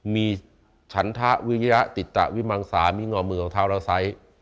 มีชั้นทะวิญญาติดตะวิมังสามีงอมมือของทาวราศัย